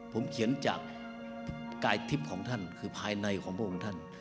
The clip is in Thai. ผมเขียนจากกายทิพย์ของท่านคือภายในของพระองค์ท่าน